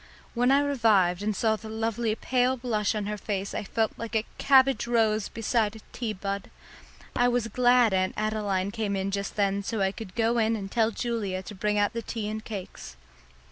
When I revived and saw the lovely pale blush on her face I felt like a cabbage rose beside a tea bud. I was glad Aunt Adeline came in just then so I could go in and tell Julia to bring out the tea and cakes.